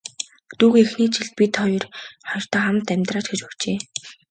Дүүгээ эхний жил бид хоёртой хамт амьдраач гэж урьжээ.